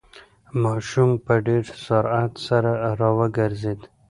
ماشوم په ډېر سرعت سره راوگرځېد.